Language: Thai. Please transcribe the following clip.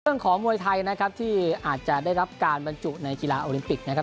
ของมวยไทยนะครับที่อาจจะได้รับการบรรจุในกีฬาโอลิมปิกนะครับ